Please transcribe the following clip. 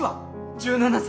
１７歳。